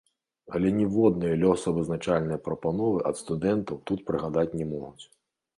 Але ніводнай лёсавызначальнай прапановы ад студэнтаў тут прыгадаць не могуць.